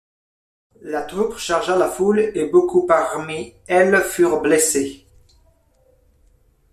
La troupe chargea la foule et beaucoup parmi elle furent blessés.